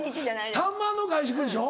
たまの外食でしょ？